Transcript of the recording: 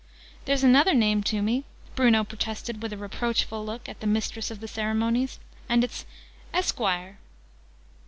"There's another name to me!" Bruno protested, with a reproachful look at the Mistress of the Ceremonies. "And it's ' Esquire'!"